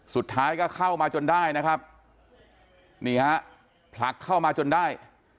สุดท้ายก็เข้ามาจนได้นะครับนี่ฮะผลักเข้ามาจนได้